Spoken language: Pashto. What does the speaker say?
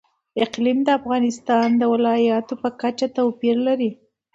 اقلیم د افغانستان د ولایاتو په کچه توپیر لري.